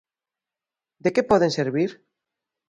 De que poden servir?